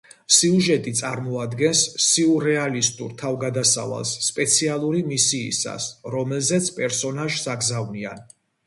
სიუჟეტი წარმოადგენს სიურეალისტურ თავგადასავალს სპეციალური მისიისას, რომელზეც პერსონაჟს აგზავნიან.